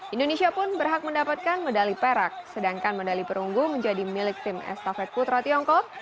indonesia pun berhak mendapatkan medali perak sedangkan medali perunggu menjadi milik tim estafet putra tiongkok